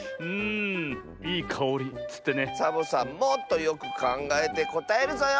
もっとよくかんがえてこたえるぞよ。